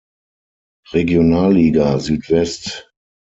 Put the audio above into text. Regionalliga Südwest".